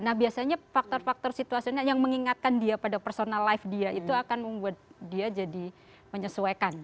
nah biasanya faktor faktor situasional yang mengingatkan dia pada personal life dia itu akan membuat dia jadi menyesuaikan